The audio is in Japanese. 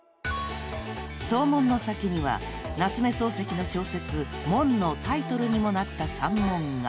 ［総門の先には夏目漱石の小説『門』のタイトルにもなった山門が］